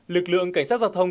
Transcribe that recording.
lực lượng cảnh sát giao thông